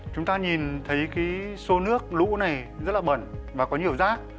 chúng ta nhìn thấy cái số nước lũ này rất là bẩn và có nhiều rác